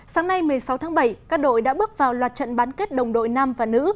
sáng nay một mươi sáu tháng bảy các đội đã bước vào loạt trận bán kết đồng đội nam và nữ